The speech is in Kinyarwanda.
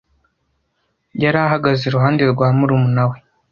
Yari ahagaze iruhande rwa murumuna we.